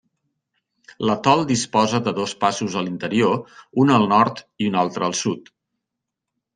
L'atol disposa de dos passos a l'interior, un al nord i un altre al sud.